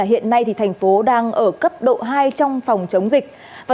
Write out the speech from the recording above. hiện nay thành phố đang ở cấp độ hai trong phòng chống dịch